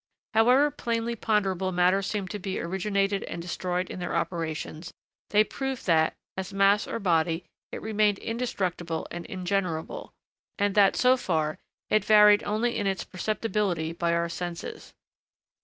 However plainly ponderable matter seemed to be originated and destroyed in their operations, they proved that, as mass or body, it remained indestructible and ingenerable; and that, so far, it varied only in its perceptibility by our senses.